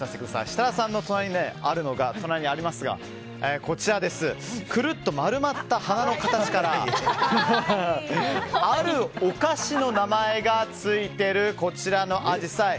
設楽さんの隣にありますのがくるっと丸まった花の形からあるお菓子の名前がついているアジサイ。